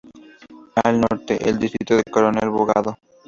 Al norte: el Distrito de Coronel Bogado.